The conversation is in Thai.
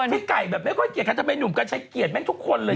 พี่ไก่แบบไม่ค่อยเกลียดกันทำไมหนุ่มกันใช้เกลียดแม่งทุกคนเลย